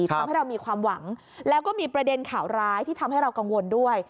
ทำให้เรามีความหวังแล้วก็มีประเด็นข่าวร้ายที่ทำให้เรากังวลด้วย